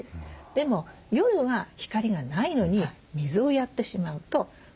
でも夜は光がないのに水をやってしまうと伸びる。